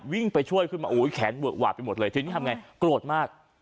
วิ่งไปช่วยขึ้นมาแขนหวาดไปหมดเลยทีนี้ทำยังไงโกรธมาก